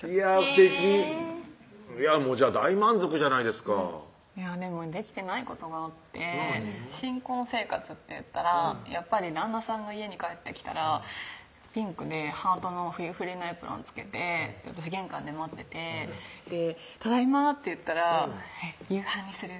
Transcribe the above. すてきじゃあ大満足じゃないですかでもできてないことがあって新婚生活っていったらやっぱり旦那さんが家に帰ってきたらピンクでハートのフリフリのエプロン着けて私玄関で待ってて「ただいま」って言ったら「夕飯にする？